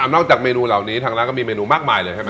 นอกจากเมนูเหล่านี้ทางร้านก็มีเมนูมากมายเลยใช่ไหม